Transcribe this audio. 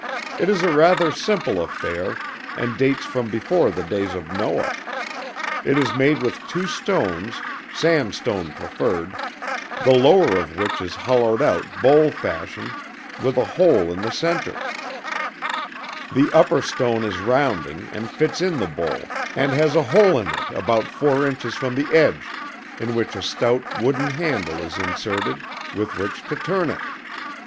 It is a rather simple affair, and dates from before the days of Noah; it is made with two stones, sandstone preferred, the lower of which is hollowed out bowl fashion, with a hole in the centre; the upper stone is rounding, and fits in the bowl, and has a hole in it about four inches from the edge, in which a stout wooden handle is inserted, with which to turn it.